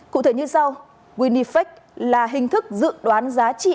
cụ thể như sau winifec là hình thức dự đoán giá trị